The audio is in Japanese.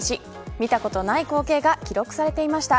見たことのない光景が記録されていました。